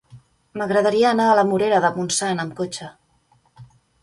M'agradaria anar a la Morera de Montsant amb cotxe.